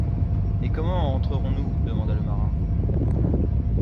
Et comment entrerons-nous demanda le marin.